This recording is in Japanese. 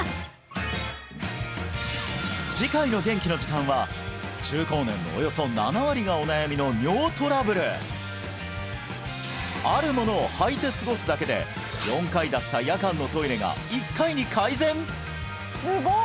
次回のゲンキの時間は中高年のおよそ７割がお悩みの尿トラブルあるものをはいて過ごすだけで４回だった夜間のトイレが１回に改善！